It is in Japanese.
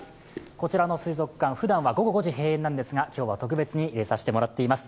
こらちの水族館、ふだんは午後５時閉園なんですが、今日は特別に入れさせてもらっています。